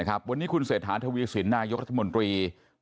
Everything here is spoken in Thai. วันนี้คุณเศรษฐาทวีสินนายกรัฐมนตรี